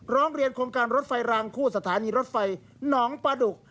ร้องเรียนโครงการรถไฟรางคู่สถานีรถไฟหนองปลาดุก